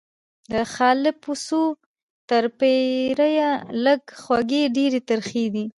له خالپوڅو تر پیریه لږ خوږې ډیري ترخې دي